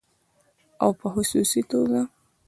او په خصوصي توګه